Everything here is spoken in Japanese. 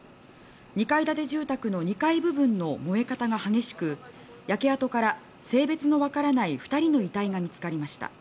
２階建て住宅の２階部分の燃え方が激しく焼け跡から性別のわからない２人の遺体が見つかりました。